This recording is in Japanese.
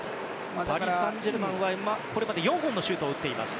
パリ・サンジェルマンはこれまで４本のシュートを打っています。